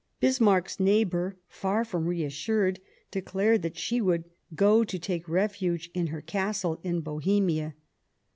Bismarck's neighbour, far from reassured, de clared that she would go to take refuge in her castle in Bohemia.